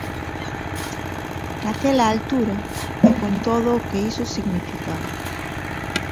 Naquela altura e con todo o que iso significaba.